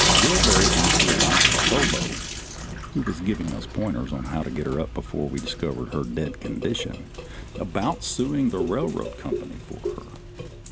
Dillbery asked the advice of a hobo (who was giving us pointers how to get her up before we discovered her dead condition) about suing the railroad company for her.